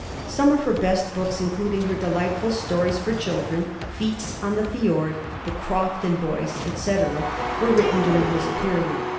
Some of her best books, including her delightful stories for children, Feats on the Fiord, The Crofton Boys, etc., were written during this period.